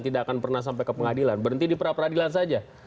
tidak akan pernah sampai ke pengadilan berhenti di pra peradilan saja